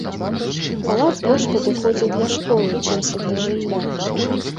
Палац больш падыходзіў для школы, чымся для жылля.